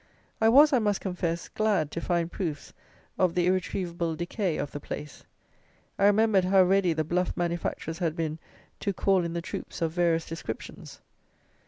I was, I must confess, glad to find proofs of the irretrievable decay of the place. I remembered how ready the bluff manufacturers had been to call in the troops of various descriptions.